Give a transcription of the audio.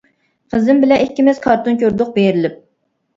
قىزىم بىلەن ئىككىمىز، كارتون كۆردۇق بېرىلىپ.